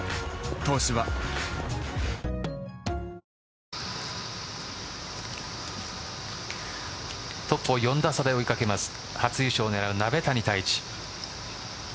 「東芝」トップを４打差で追い掛けます初優勝を狙う鍋谷太一。